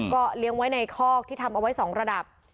ก็เลี้ยงไว้ในคอกที่ทำเอาไว้๒ระดับ